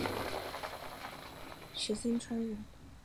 石星川人。